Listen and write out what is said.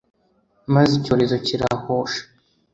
maze icyorezo kirahosha